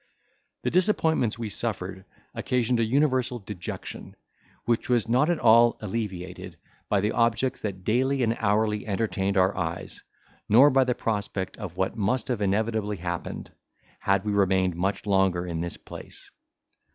The disappointments we suffered occasioned a universal dejection, which was not at all alleviated by the objects that daily and hourly entertained our eyes, nor by the prospect of what must have inevitably happened, had we remained much longer in this place.